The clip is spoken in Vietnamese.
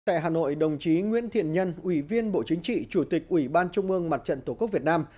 tại hà nội đồng chí nguyễn thiện nhân ủy viên bộ chính trị chủ tịch ủy ban trung ương mặt trận tổ quốc việt nam